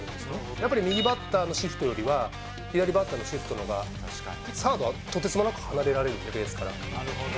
やっぱり右バッターのシフトよりは左バッターのシフトのほうが、サードはとてつもなく離れられる、ベースから。